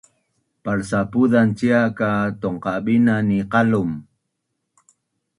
Palsapuzan cia ka tungqabinan ni qalum